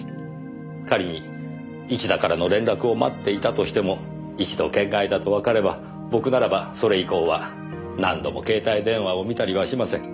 仮に市田からの連絡を待っていたとしても一度圏外だとわかれば僕ならばそれ以降は何度も携帯電話を見たりはしません。